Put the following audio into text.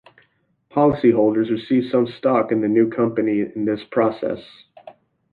Policyholders received some stock in the new company in this process.